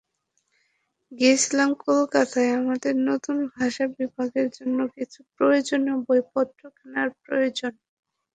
গিয়েছিলাম কলকাতায়, আমাদের নতুন ভাষা বিভাগের জন্য কিছু প্রয়োজনীয় বইপত্র কেনার প্রয়োজনে।